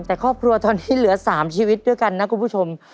แต่ครอบครัวตอนนี้เหลือ๓ชีวิตด้วยกันนะคุณผู้ชม